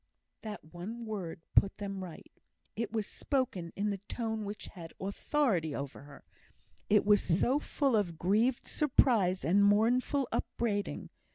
That one word put them right. It was spoken in the tone which had authority over her; it was so full of grieved surprise and mournful upbraiding.